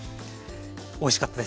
おいしかったです。